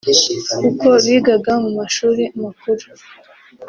kuko bigaga mu mashuli makuru